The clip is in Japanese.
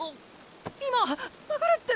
今「下がれ」って。